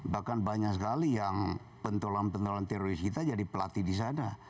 bahkan banyak sekali yang pentolan pentolan teroris kita jadi pelatih di sana